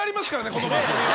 この番組は。